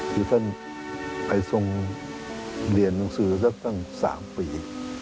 ที่ต้องไปทรงเรียนหนังสือแล้วต้องสามปี